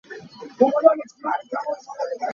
A lu a fak i a ngawi ko.